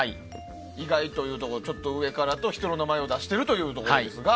意外というところとちょっと上からと人の名前を出してるというところですが。